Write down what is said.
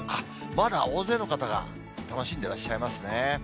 まだ大勢の方が楽しんでらっしゃいますね。